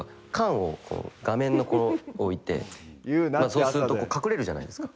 そうすると隠れるじゃないですか。